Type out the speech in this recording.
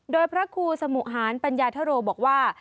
โดยพระครูสมุหารปัญญาธโรบอกว่า